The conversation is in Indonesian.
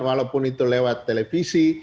walaupun itu lewat televisi